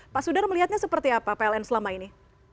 pak sudar melihatnya seperti apa pln selama ini